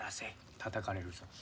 たたかれるぞ。